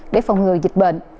để phòng ngừa dịch bệnh